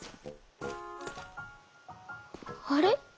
「あれ？